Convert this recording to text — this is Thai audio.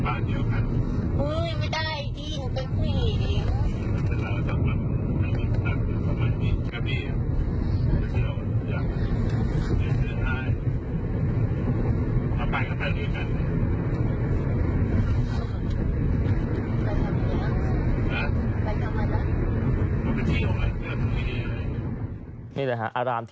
อารามที่เบียง